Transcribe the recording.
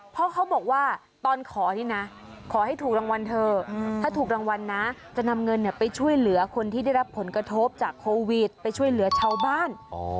เพราะเขาบอกว่าตอนขอนี่นะขอให้ถูกรางวัลเธอถ้าถูกรางวัลนะจะนำเงินไปช่วยเหลือคนที่ได้รับผลกระทบจากโควิดไปช่วยเหลือชาวบ้าน